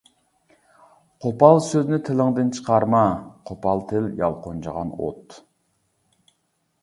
قوپال سۆزنى تىلىڭدىن چىقارما، قوپال تىل يالقۇنجىغان ئوت.